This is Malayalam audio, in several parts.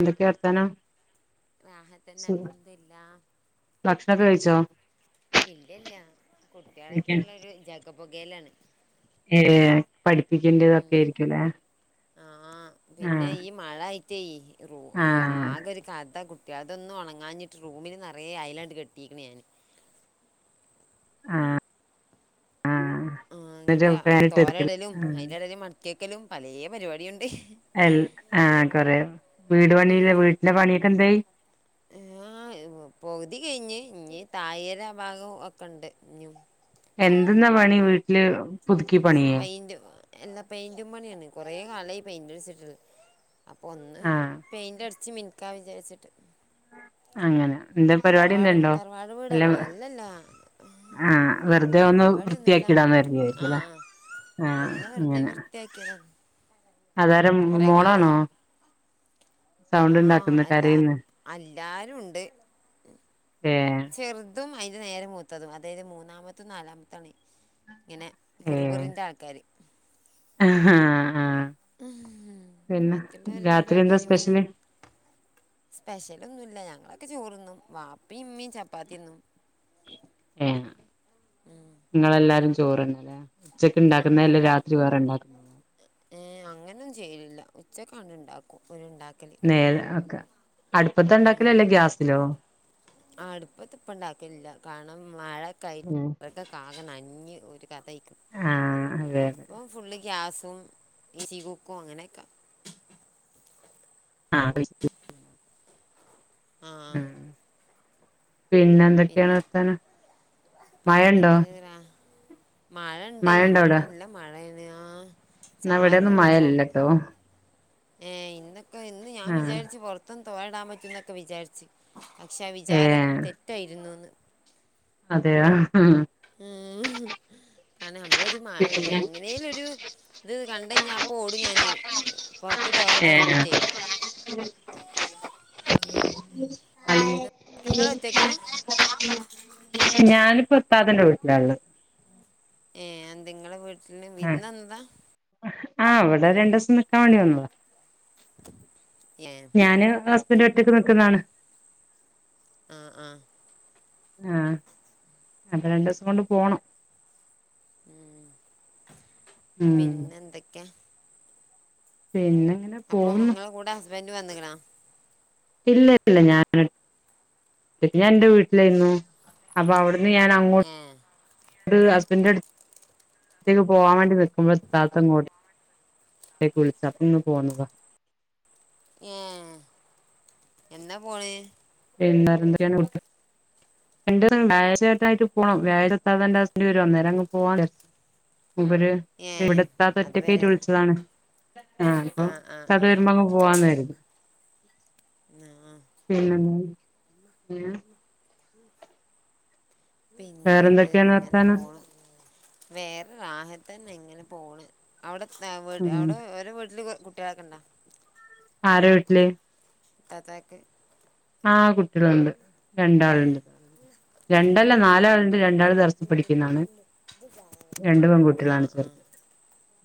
എന്തൊക്കെ വർത്താനം റാഹത്തന്നെ അൽഹംദുലില്ലാഹ് ഭക്ഷണൊക്കെ കഴിച്ചോ ഇല്ല ഇല്ല കുട്ട്യാളായിറ്റുള്ളൊരു ജഗപൊകയിലാണ് ഏഹ് ഉം പഠിപ്പിക്കേണ്ടതൊക്കെരിക്കുലേ ആഹ് പിന്നെ ആഹ് ഈ മഴ ആയിറ്റേ റൂ ആഹ് ആകൊരു കതകു അതൊന്ന് ഉണങ്ങാഞ്ഞിട്ട് റൂമില് നറയേ ആയലണ്ട് കെട്ടിയിക്കണ് ഞാന് ആഹ് ആഹ് ആ എന്നിട്ട് ഇങ്ങട്ട് ഫാനിട്ട് എടുക്കല് തോരടലും അയിന്റെടല് മടക്കിക്കെലും പലേ പരിപാടിയുണ്ട് അൽ ആ കൊറെ വീട് പണിലെ വീട്ടന്റെ പണിയൊക്കെന്തായി ആഹ് പകുതി കഴിഞ്ഞ് ഇനി തായേര ഭാഗം ഒക്കെണ്ട് ഇനിയും എന്ത്‌ന്നാ പണി വീട്ടില് പുതുക്കി പണിയേ ഇന്റെ എല്ല പെയിന്റും പണിയാണ് കൊറെ കാലായി പെയിന്റട്ച്ട്ട്. അപ്പൊന്ന് ആഹ് പെയിന്റ് അട്ച്ച് മിനക്കാ വിചാര്ച്ട്ട്. അങ്ങന എന്തേം പരിപാടി തറവാട് എന്തേണ്ടോ തറവാട് എല്ലാം. വീടല്ല അല്ലല്ല ആഹ് വെറുതെ ഒന്ന് പരിപാടിയൊന്നുമില്ല വൃത്തിയാക്കിടാന്നരുതി ആ ആയിരിക്കുലെ. ആ ഒന്ന് വെറുതെ വൃത്തിയാക്കിയതാണ്. അതാര മ്മ് കുറേ മോളാണോ? സൗണ്ട് ആഹ് ഉണ്ടാക്കുന്നെ അല്ലാ കരയുന്ന് അല്ലാരുണ്ട്. ഏഹ്. ചെറ്തും അയ്ന്റെ നേരെ മൂത്തതും അതെയ്ത് മൂന്നാമത്തും നാലാമത്താണെ. ങ്ങനെ പുറുബ്റിൻ്റെ ആൾക്കാര്. ഹ്ഹാ ഹാ. ഉ ഹും മറ്റുള്ളവരു എന്താ രണ്ടാൾക്കാര് പിന്നെ. സ്പെഷ്യല് സ്പെഷ്യലൊന്നുല്ല ഞങ്ങളൊക്കെ ചോറുന്നും വാപ്പി ഇമ്മീം ചപ്പാത്തിന്നും. ഏഹ് ങ്ങളെല്ലാരും ചോറ്ന്ന്ലെ. ഉച്ചക്ക് ആ ണ്ടാക്കുന്നയല്ല രാത്രി വേറെ ണ്ടാക്കുന്ന്.. ഏഹ് അങ്ങനും ചെയ്യലില്ല ഉച്ചക്കാണ്ട് ണ്ടാക്കും ഒര്ണ്ടാക്കല്. നേരെ ഒക്കെ അടുപ്പത്താണ്ടാക്കല് അല്ലേ ഗ്യാസിലോ? ആ അടുപ്പത്തിപ്പംഉണ്ടാക്കില്ല കാരണം മഴക്കായി ആകെ നനഞ്ഞ് ഒരു കഥയ്ക്ക്ണ് ആ അതെ അതെ അപ്പം ഫുള്ളി ഗ്യാസും ഈസി കുക്കും അങ്ങനെയൊക്കെ ആ ആ പിന്നെ എന്തൊക്കെയാണ് പിന്നെ വർത്താനം? മഴ ഉണ്ടോ? മഴഉണ്ടേ മഴ അവിടെ നല്ല മഴ തന്നെയാ എന്നാ ഇവിടെന്നും ചാറലുണ്ട് ഇപ്പൊ. മഴല്ലട്ടോ ഏ ഇന്നിപ്പം ഇന്ന് ഞാൻ ആ വിചാരിച്ച് പുറത്തുന്ന് തോലടാൻ പറ്റു എന്നൊക്കെ വിചാരിച്ചു. പക്ഷെ ഏ വിചാരം തെറ്റായിരുന്നുന്ന്. അതെയോ അങ്ങനെ നമ്മളൊരു എങ്ങനെലൊരു ത് കണ്ടു കഴിഞ്ഞാ ഞാൻ അപ്പം ഓടും ഞാൻ പുറത്ത് ഏ തോരാടാൻ വേണ്ടീട്ടേ. പിന്നെ നിങ്ങളെ ഒറ്റക്കാ ഞാനിപ്പോ ഇത്താതന്റെ വീട്ടിലാ ഉള്ളത്. ഏ അത് എൻതേ നിങ്ങടെ വീട്ടല് ആ വിരുന്ന് വന്നതാ ആ ഇവിടെ രണ്ടുസം നിൽക്കാൻ വേണ്ടി വന്നതാ. [unintelligible] ഞാനും ഹസ്ബൻഡും ഒറ്റക്ക് നിക്കുന്നതാണ്. ആ ആ ആ. അപ്പൊ രണ്ടുദിവസം കൊണ്ട് പോണം. ഉം. ഉം പിന്നെ എന്തൊക്കെയാ? പിന്നെ? അപ്പൊ പോകുന്നു നിങ്ങളെ കൂടെ ഹസ്ബൻഡ് വന്ക് ണോ? ഇല്ല ഇപ്പ ഇല്ല ഞാൻ പിന്നെ ഞാൻ എന്റെ വീട്ടിലായിരുന്നു. അപ്പംഅവിടുന്ന് ഞാൻ അങ്ങോട്ട് ഏ ഹസ്ബന്റിന്റെഅടുത്തേക്ക് പോവാൻ വേണ്ടി നിൽക്കു മ്പോഴാണ് താത്ത ഇങ്ങട്ട് വിളിച്ചു അപ്പം ഇങ്ങ് പോന്നതാ. ഏ എന്നാ പോണേ? [unintelligible] [unintelligible] ഇവര് ഏ എവിടത്തെ ഇത്താത്തഒറ്റക്കായിട്ട് അതുവരെ വിളിച്ചതാണ്. ആ ഇപ്പം ആ ആ ഇത്താത്തവരുമ്പോ അങ്ങ് പോവാന്ന് കരുതി. ങ്ങാ പിന്നെ [unintelligible] [unintelligible] പിന്നെന്ത് വേറെന്തൊക്കെയാണ് ഇങ്ങനെ വർത്താനം? പോണ് വേറെ റാഹത്ത് തന്നെ ഇങ്ങനെ പോണ് അവിടെ ഉം അവിടെ ഓരെടെ വീട്ടില് ട്ടികളെക്കെ ഉണ്ടോ? ആരെ വീട്ടില്? ഇത്താത്തായ്ക്ക്. ആ കുട്ടികള് ണ്ട്. ഏ രണ്ടാളുണ്ട്. ഏ രണ്ടല്ല നാലാളുണ്ട് രണ്ടാള് ദറസ്സിൽ പഠിക്കുന്നതാണ്. [unintelligible] ആ രണ്ടുപെൺകുട്ടികളാണ് ആ ചെറുത്.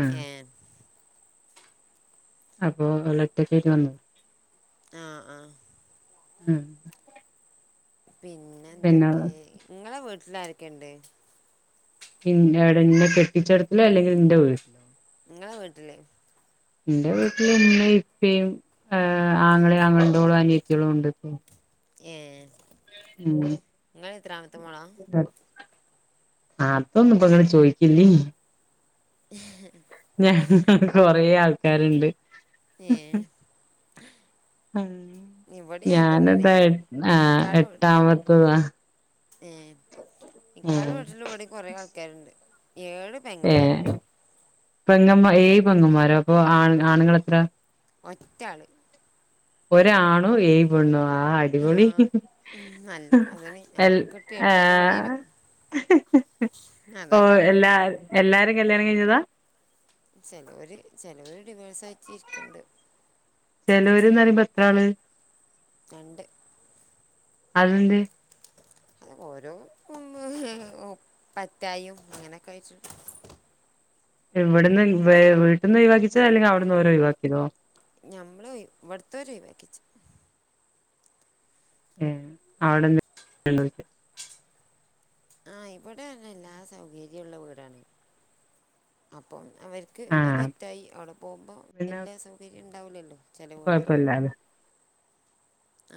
ആഹ് ഏ അപ്പൊ അവള് ഒറ്റക്കായിട്ട് വന്നത്. ആ ആ ഉം പിന്നെ എന്തൊക്കെ ങ്ങളെ വീട്ടില് ആരൊക്കെണ്ട്? ഇന്റടെ ഇന്നേ കെട്ടിച്ചട തലോ അല്ലെങ്കിൽ എന്റെ വീട്ടില ങ്ങളെ വീട്ടില് ഇന്റെ വീട്ടില് ഉമ്മേം ഇപ്പേം ഏഹ് ആങ്ങളേം ആങ്ങളേന്റോളും അനിയത്തിയളും ഉണ്ട് ഇപ്പോ ഏഹ് ഇങ്ങള് എത്രാമത്തെ മോളാ അതൊന്നും ഇപ്പ ങ്ങള് ചോയ്ക്കല്ലി ഏഹ്ഹ് ഞങ്ങ ൾ കൊറേ ആൾക്കാര്ണ്ട് ഏഹ് ഇവിടേം അങ്ങ തന്നേണെ ഞാനെന്താ ആഹ് ഇക്കാടെ [unintelligible] എട്ടാമത്തതാ ഏഹ് ഇക്കാടെ ഏഹ് വീട്ടിലും ഇവിടേം കൊറെേ ആൾക്കാര്ണ്ട് ഏഴ് ഏഹ് പെങ്ങന്മാരുണ്ട് പെങ്ങമ്മ ഏയ് പെങ്ങമ്മാരോ അപ്പൊ ആണ് ആണ്ങ്ങൾ എത്ര ഒറ്റാള് ഒരാണും ഏയ് പെണ്ണും ആഹ് ആ അടിപൊളി ഉം നല്ല കഥയാണ് അൽ നമ്മക്കിട്ട് എട്ടിൻ്റെ പണി ഏഹ് തരും അതാ ഓഹ് കുഴപ്പം എല്ലാ എല്ലാരും കല്യാണം കയിഞ്ഞതാ ചേലോര് ചെലോര് ഡിവേഴ്സ് ആയിറ്റ് ഇരിക്ക്ണ്ട് ചെലോര്ന്ന് പറയുമ്പോ എത്രാള് രണ്ട് അതെന്തേ ഓരോ മ് ഹ് ഹ് പറ്റായും അങ്ങനൊക്കെ ആയിറ്റ് ഇവിട്ന്ന് വ് വീട്ടന്ന് ഒയിവാക്കിച്ചോ അല്ലെങ്കി അവിട്ന്ന് ഓര് ഒയിവാക്കിതോ ഞമ്മള് ഇവിടുത്തോര് ഒയിവാക്കിച്ച് ഏഹ് അവിടന്ന് [unintelligible] ആ ഇവിടെ തന്ന എല്ലാ സൗകര്യവും ഉള്ള വീടാണ് അപ്പം അവര്ക്ക് ആഹ് പറ്റായി അവിടെ പോവുമ്പോ പിന്നെ എല്ലാ സൗകര്യവും ഇണ്ടാവില്ലല്ലോ ചെല വീടും കൊഴപ്പല്ലാലോ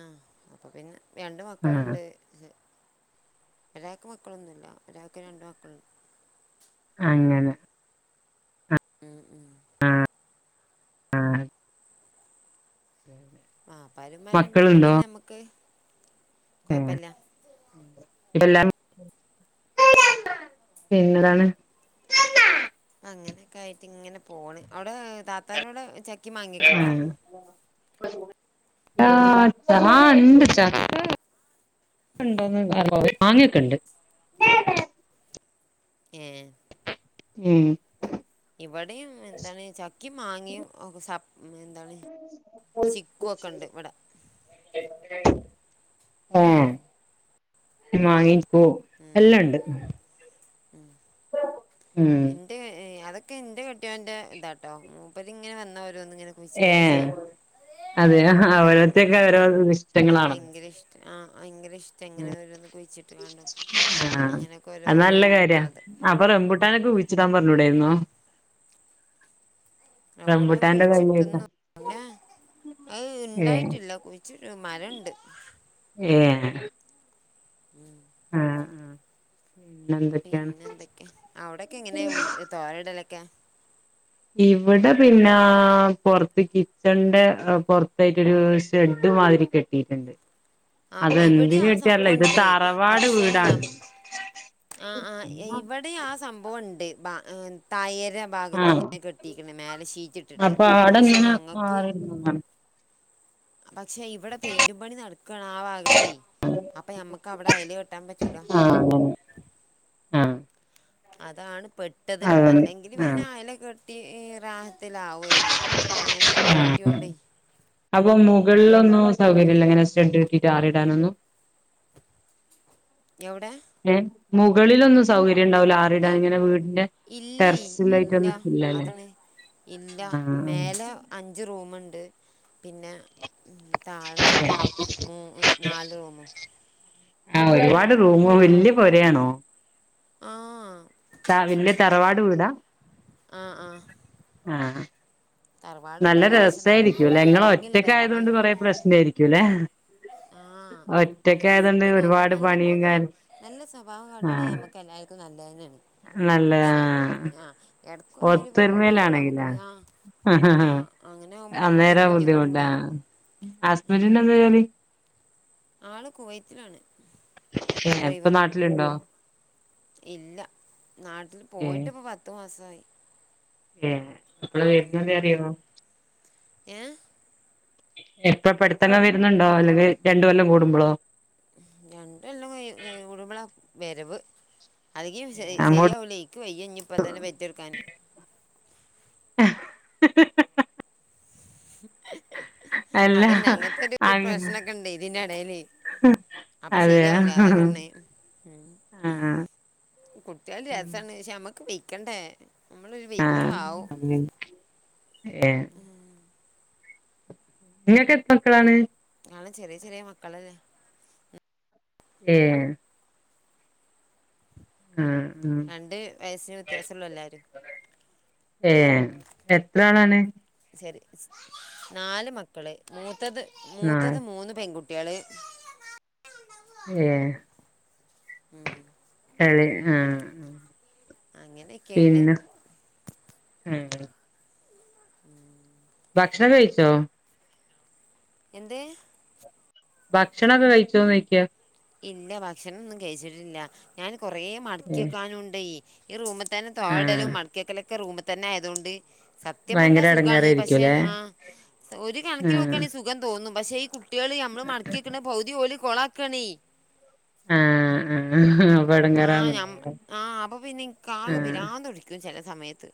ആഹ് അപ്പൊ പിന്നെ രണ്ട് ആഹ് മക്കള്ണ്ട് ക്ഷെ ഒരാക്ക് മക്കളൊന്നുല്ല ഒരാക്ക് രണ്ട് മക്കള് അങ്ങനെ ഉം ഉം ആ ആഹ് [inaudible] വാപ്പാരും മാരും ഇണ്ടാകുമ്പോ മക്കളുണ്ടോ പിന്നമ്മക്ക് കൊയപ്പില്ല ഉം. ഇ [unintelligible] പിന്നന്താണ് അങ്ങനെയൊക്കെ ആയിട്ട് ഇങ്ങനെ പോണ് അവിടെ താത്താന്റവിട ചക്കേം മാങ്ങക്കെ ഇണ്ടാ ആഹ് ആഹ് ആ ഇണ്ട് ചക്ക മാങ്ങൊക്കെ ഇണ്ട് ഏഹ് ഉം ഇവിടെയും എന്താണ് ചക്കി മാങ്ങിയും ഒക്കെ സ മ് എന്താണ് ചിക്കുവൊക്കെ ഇണ്ട് ഇവിടെ ഏഹ് മാങ്ങേ ഓ ഉം. എല്ലം ഇണ്ട് ഉം ഇന്റെ അതൊക്കെ ഇന്റെ കെട്ടിയോന്റെ ഇതാട്ടോ മൂപ്പരിങ്ങനെ വന്നാ ഓരോന്ന് ഇങ്ങനെ കുയിച്ചിടുവൊക്കെ ഏഹ് ചെയ്യും അതെയോ ഉം ഓരോരുത്തർക്ക് ഓരോ അന്ക്ക് ഇഷ്ടങ്ങളാണല്ലോ ഭയങ്കര ഇഷ് ആഹ് ഭയങ്കര ഇഷ്ടാ ഇങ്ങനെ ഓരോന്ന് കുഴിച്ചിട്ട് കാണാം ആഹ് അത് നല്ല കാര്യാ അപ്പൊ റംബൂട്ടാനൊക്കെ കുയിച്ചിടാൻ പറഞ്ഞൂടായിരുന്നോ റംബൂട്ടാൻ റംബുട്ടാന്റെ തയ്യൊക്കെ കുയിച്ചിട്ടെന്ന് പിന്നെ അത് ഏഹ് ഇണ്ടായിട്ടില്ല കുയ് ച്ച് മരം ഇണ്ട് ഏ ഉം ആഹ പിന്നെ എന്തൊക്കെയാ അവിടെക്കെ എങ്ങനെയാ ഉള്ള തോരയിടലക്കെ ഇവിടെ പിന്നെ പുറത്തെക്ക് കിച്ചന്റെ പുറത്തായിട്ടൊരു ഷെഡ് മാതിരി കെട്ടി കെട്ടിട്ടുണ്ട് ആ ഇവിടെ അതെന്തിന് ആ കെട്ടിയല്ലേ സംഭവം ഇത് ഉണ്ട് തറവാട് വീടാണ് ആഹ ആഹ ഇവിടെ ആഹ സംഭവുണ്ട് തായേര ഭാഗത്ത് ആഹ് ഇങ്ങനെ കെട്ടിരിക്കണ് മേലെ ശീറ്റ് ഇട്ടിട്ട് അപ്പൊ ആടെ പക്ഷെ ഇങ്ങനെ ഞങ്ങക്ക് മാറിരുന്നതാണ് പക്ഷെ ഇവിടെ പെയിന്റുപണി നടക്കാണ് ആ ഭാഗത്തേ അപ്പൊഞമ്മക്ക് അവിടെ ഐൽ കെട്ടാൻ പറ്റൂല ആഹ അതാണ് പെട്ടത് അതന്നെ അല്ലെങ്കിൽ പിന്നെ അയല കെട്ടി റാ ആവുവായിരുന്നു ഇതിപ്പോ ഇങ്ങനൊരു പണി ആഹ് കിണ്ടിയോണ്ടെ അപ്പൊ മുകളിലൊന്നും സൗകര്യല്ല ഇങ്ങനെ സ്റ്റഡ് കേട്ടിട്ട് ടാറിടാനൊന്നും എവിടെ ഏഹ മുകളിലൊന്നും സൗകര്യം ഉണ്ടാവില്ല ആ എവ്- ടങ്ങനെ വീടിന്റെ ഇല്ലേ ടെറസിലായിട്ട ഇല്ല ന്നുല്ലല്ലേ അതാണ് ഇല്ല മേലെ അഞ്ച് റൂമിണ്ട് പിന്നെ താഴെ മൂ നാല് റൂമ് ആഹ് ഒരുപാട് റൂമ വല്യ പൊരയാണോ ആഹ് ത വല്യ തറവാട് വീടാ ആഹ് ആഹ് ആഹ് തറവാട് നല്ല വീടാണ് പക്ഷെ നല്ല രസായിരിക്കുല്ലേ നല്ല നിങ്ങള് ഭംഗിയുള്ള ഒറ്റക്ക് പെരേണ് ആയതുകൊണ്ട് കൊറെ പ്രശ്നയിരിക്കുല്ലെ ആഹ രസക്കിനല്ല നല്ല പണിയും പോലെ കാര്യം നല്ല സ്വഭാവം കാട്ടാണെങ്കിൽ ആഹ് നമുക്ക് എല്ലാവർക്കും നല്ലതിനാണ് പക്ഷെ ആഹ് ഇടക്ക് ഒന്നരു പിറുപിറു ആവുമ്പോള് നമുക്ക് ഒത്തൊരുമയിലാണെങ്കിലാ പിന്നാ ആഹ് അങ്ങനെ ആകുമ്പോളെ നമുക്കൊരു ബുദ്ധിമുട്ടിണ്ടാവാ അസ്‌ബഡിന് എന്താ ജോലി ആള് കുവൈറ്റിലാണ് ഇപ്പ നാട്ടിലുണ്ടോ ഇല്ല നാട്ടിൽ ഏ പോയിട്ട് ഇപ്പോ പത്ത് മാസമായി ഏ അപ്പോള് വീട്ടിൽ അറിയമോ ഏ എപ്പ പെടുത്തങ്ങ വരുന്നുണ്ടോ അല്ലെങ്കിൽ രണ്ട് കൊല്ലം കൂടുമ്പോഴോ രണ്ട് കൊല്ലം കൂടുമ്പളാ വരവ് അതി അങ്ങോട്ട് ശരിയാവൂലേ ക്ക് വയ്യഞ്ഞി ഇപ്പൊ തന്നെ പെറ്റെടുക്കാന് [unintelligible] [unintelligible] [unintelligible] അതിണ്ട് അങ്ങനത്തെ ഒരു അങ്ങ് പ്രശ്നക്കെണ്ട് ഇതിന്റെ ഇടയില് അപ്പൊ അതെയോ ശരിയാവൂല അതാ പർണെ ആ കുട്ടികൾ രസാണ് പക്ഷെ നമ്മക്ക് വിക്കണ്ടേ നമ്മളൊരു ആ വീക്ക് ആവും ഏ ഇങ്ങക്ക് എത്ര മക്കളാണ് ഞളെ ചെറിയ ചെറിയ മക്കള് ഏ ആ ആ രണ്ട് വയസിന് വ്യത്യാസുള്ള എല്ലാരും ഏ എത്ര ആളാണ് ശരി നാല് മക്കള് മൂത്തത് നാല് മൂത്തത് മൂന്ന് പെൺകുട്ടി കുട്ടിയള് ഏ ഉം എളേ ആ അങ്ങനെക്കെയാണ് ഏ ഉം ഭക്ഷണം കഴിച്ചോ എന്തേ ഭക്ഷണൊക്കെ കഴിച്ചോന്ന് ചോയിക്ക ഇല്ലാ ഭക്ഷണോന്നും കഴിച്ചിട്ടില്ല ഞാൻ കൊറെ മടക്കി വെക്കാനുണ്ടേ ഈ റൂമിൽ തന്നെ തൊടലും ആഹ് മടക്കി വെയ്ക്കല് ഒക്കെ റൂമിൽ തന്നെ ആയതുകൊണ്ട്. സത്യം പറഞ്ഞ ഭയങ്കര സുഖാണ് പക്ഷെ എടങ്ങേറായിരിക്കുംല്ലേ ആഹ് ഒരു കണക്കിൽ ആഹ് നോക്കുകയാണെങ്കിൽ സുഖം തോന്നും പക്ഷെ ഈ കു കുട്ടികള് ഞമ്മള് മടക്കി വെക്കണ ഭൗതി ഓല് കൊളക്കണേ [unintelligible] ആഹ് ഞമ്മ എടങ്ങേറാവുന്നുണ്ടാവും ആഹ് അപ്പൊ പിന്നെ ഇക്ക് ആകെ ആഹ് പിരാന്ത് പിടിക്കും ചെല സമയത്ത്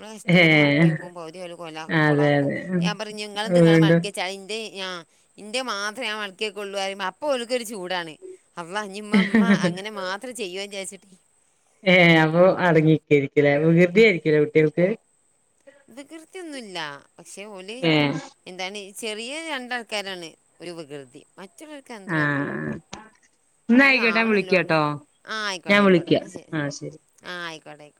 ഫസ്റ്റ് ഇവിടെ മടക്കി ഏഹ് വെക്കു പൗതി അവര് കൊല അതെ കൊളാക്കും അതെ ഞാൻ പറഞ്ഞ് ഇങ്ങളത് ഇങ്ങള് വീണ്ടും മടക്കി വെച്ചാള എൻ്റെ [unintelligible] ഇന്റെ മാത്ര ഞാ മടക്കി കൊണ്ട് വരൂമ്പോ അപ്പോ ഓൾക്ക് ഒരു ചൂടാണ് അപ്പൊ ഇനി അമ്മ ഉമ്മ അങ്ങനെ മാത്രം- എത്ര ചെയ്യും എന്ന് വിചാരിച്ചിട്ടേ ഏ അപ്പൊ അടങ്ങിയിരിക്കലേ വൃകൃതിയായിരിക്കലേ കുട്ടികൾക്ക് വൃകൃതിയൊന്നുമില്ല പക്ഷെ ഓന് ഏഹ് - എന്താണ് ചെറിയ രണ്ടാൾക്കാരാണ് ഒരു വൃകൃതി മറ്റവർക്ക് അങ്ങനത്തെ കൊയ്യപ്പൊന്നുല്ല ആഹ് ന്നാ ഒരു ആയിക്കോട്ടെ ആവ ഞാൻ [unintelligible] ണല്ലോ വിളിക്കാട്ടോ ആഹ ആയിക്കോട്ടെ ഞാൻ ആയിക്കോട്ടെ വിളിക്കാം എന്നാ ശരി ആഹ ആഹ് [unintelligible] ആയിക്കോട്ടെ ആയിക്കോട്ടെ